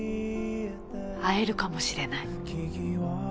会えるかもしれない。